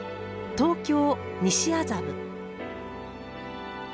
東京・西麻布。